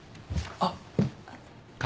あっ。